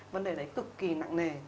vấn đề đấy cực kỳ nặng nề